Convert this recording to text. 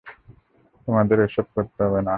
তোমাদের এসব করতে হবে না।